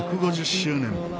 １５０周年